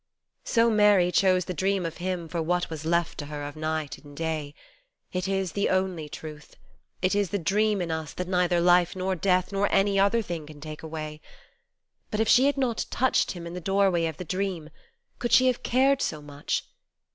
So Mary chose the dream of Him for what was left to her of night and day, It is the only truth : it is the dream in us that neither life nor death nor any other thing can take away : But if she had not touched Him in the doorway of the dream could she have cared so much